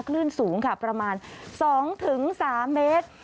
คลื่นสูงค่ะประมาณ๒๓เมตร